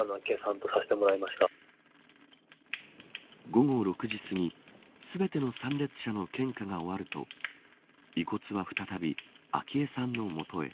午後６時すぎ全ての参列者の献花が終わると遺骨は再び昭恵さんの元へ。